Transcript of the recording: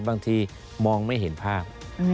บางทีมองไม่เห็นภาพ